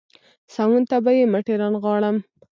سمون ته به يې مټې رانغاړم.